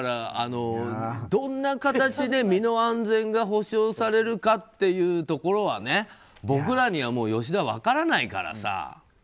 どんな形で身の安全が保障されるかということは僕らには吉田、分からないからさ。